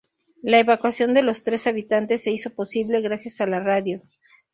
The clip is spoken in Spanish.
La evacuación de los tres habitantes se hizo posible gracias a la radio.